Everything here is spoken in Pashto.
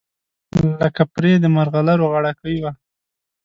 لکه پرې د مرغلرو غاړګۍ وه